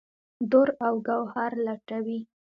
دُراو ګوهر لټوي